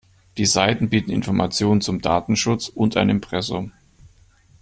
Die Seiten bieten Informationen zum Datenschutz und ein Impressum.